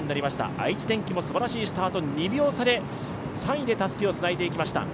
愛知電機もすばらしいスタート、２秒差で３位でたすきをつないでいきました。